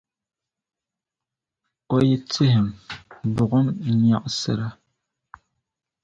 O yi tihim, buɣim nyaɣisira.